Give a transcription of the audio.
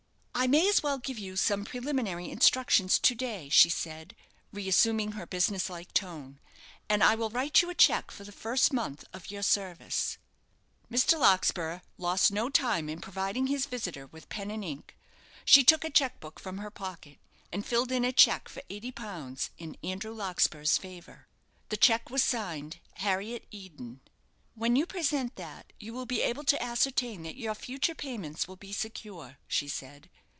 "I may as well give you some preliminary instructions to day," she said, re assuming her business like tone, "and I will write you a cheque for the first month of your service." Mr. Larkspur lost no time in providing his visitor with pen and ink. She took a cheque book from her pocket, and filled in a cheque for eighty pounds in Andrew Larkspur's favour. The cheque was signed "Harriet Eden." "When you present that, you will be able to ascertain that your future payments will be secure," she said.